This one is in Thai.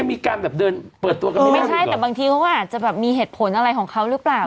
ไม่ใช่แต่บางทีเขาอาจจะแบบมีเหตุผลอะไรของเขาหรือเปล่า